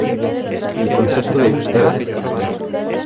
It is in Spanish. El concepto de "Oh!